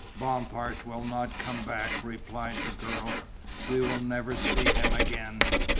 "Bompard will not come back," replied the girl, "we will never see him again."